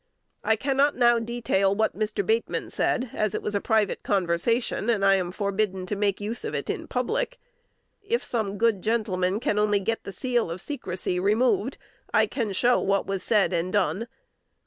I cannot now detail what Mr. Bateman said, as it was a private conversation, and I am forbidden to make use of it in public. If some good gentleman can only get the seal of secrecy removed, I can show what was said and done.